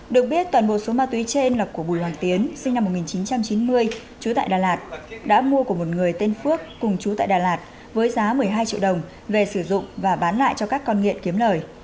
được biết toàn bộ số ma túy trên là của bùi hoàng tiến sinh năm một nghìn chín trăm chín mươi chú tại đà lạt đã mua của một người tên phước cùng chú tại đà lạt với giá một mươi hai triệu đồng về sử dụng và bán lại cho các con nghiện kiếm lời